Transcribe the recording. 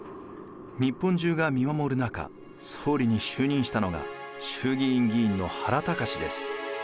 日本中が見守る中総理に就任したのが衆議院議員の原敬です。